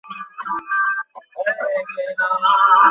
এই শতাব্দীতে নয়।